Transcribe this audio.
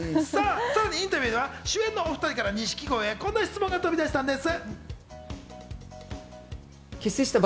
さらにインタビューでは主演のお２人から錦鯉へ、こんな質問が飛び出したんです。